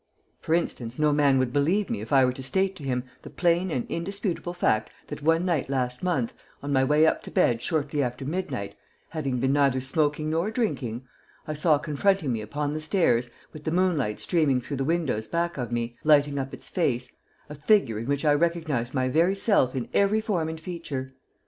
For instance, no man would believe me if I were to state to him the plain and indisputable fact that one night last month, on my way up to bed shortly after midnight, having been neither smoking nor drinking, I saw confronting me upon the stairs, with the moonlight streaming through the windows back of me, lighting up its face, a figure in which I recognized my very self in every form and feature.